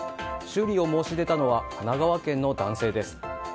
修理を申し出たのは神奈川県の男性です。